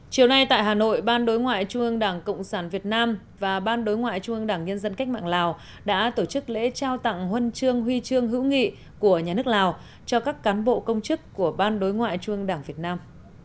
chiều nay tại hà nội ban đối ngoại trung ương đảng cộng sản việt nam và ban đối ngoại trung ương đảng nhân dân cách mạng lào đã tổ chức lễ trao tặng huân chương huy chương hữu nghị của nhà nước lào cho các cán bộ công chức của ban đối ngoại trung đảng việt nam